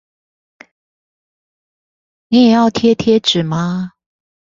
你也要貼貼紙嗎？